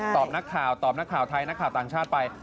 นักข่าวตอบนักข่าวไทยนักข่าวต่างชาติไป